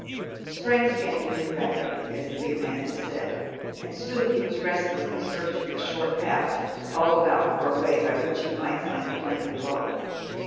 Strength came to him rapidly as the big man had said, and soon he was restlessly searching the short paths all about for a way by which he might find the plain below.